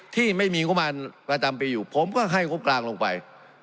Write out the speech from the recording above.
ที่ไม่มีงบประมาณประจำปีอยู่ผมก็ให้งบกลางลงไป